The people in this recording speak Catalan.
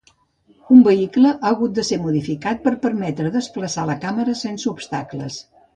Un vehicle ha hagut de ser modificat per permetre desplaçar la càmera sense obstacles.